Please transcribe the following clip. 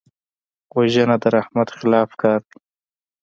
وژنه د رحمت خلاف کار دی